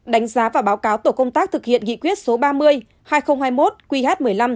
đánh giá và báo cáo tổ công tác thực hiện nghị quyết số ba mươi hai nghìn hai mươi một qh một mươi năm